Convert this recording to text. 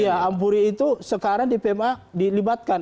iya ampuri itu sekarang di pma dilibatkan